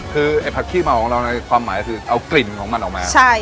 คือไอ้ผักขี้เมาของเราในความหมายคือเอากลิ่นของมันออกมา